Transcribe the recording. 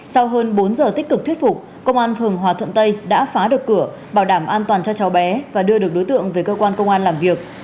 sau hơn bốn giờ tích cực thuyết phục công an phường hòa thuận tây đã phá được cửa bảo đảm an toàn cho cháu bé và đưa được đối tượng về cơ quan công an làm việc